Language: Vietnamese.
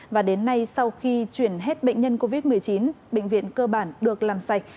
và đến nay sau khi chuyển hết bệnh nhân covid một mươi chín bệnh viện cơ bản được làm sạch